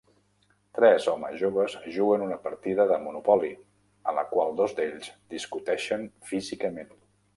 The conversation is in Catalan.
Tres homes joves juguen una partida de Monopoly a la qual dos d'ells discuteixen físicament.